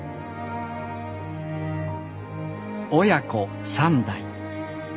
親子３代。